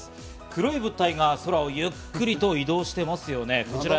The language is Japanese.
黒い物体が空をゆっくりと移動してますよね。